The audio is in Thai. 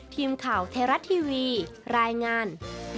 ทีมข่าวเทราะห์ทีวีรายงาน